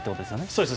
そうです。